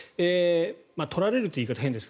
取られるという言い方は変ですね